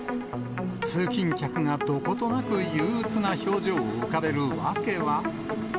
通勤客がどことなく憂うつな表情を浮かべる訳は。